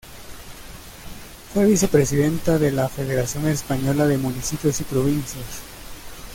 Fue vicepresidenta de la Federación Española de Municipios y Provincias.